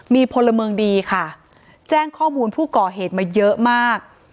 มีพลเมืองดีค่ะแจ้งข้อมูลผู้ก่อเหตุมาเยอะมาก